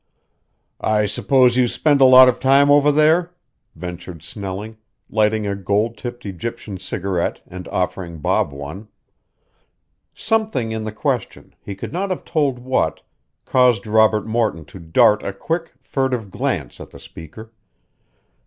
"I suppose you spend a lot of time over there," ventured Snelling, lighting a gold tipped Egyptian cigarette and offering Bob one. Something in the question, he could not have told what, caused Robert Morton to dart a quick, furtive glance at the speaker. Mr.